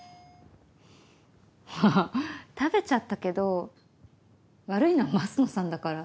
まぁ食べちゃったけど悪いのは升野さんだから。